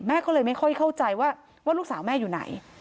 ก็เลยไม่ค่อยเข้าใจว่าลูกสาวแม่อยู่ไหน